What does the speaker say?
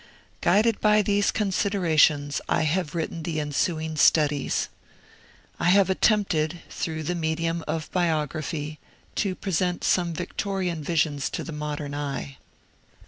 Guided by these considerations, I have written the ensuing studies. I have attempted, through the medium of biography, to present some Victorian visions to the modern eye.